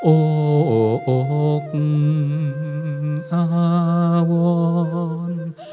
โอ้โหโอ้คมึงอาวร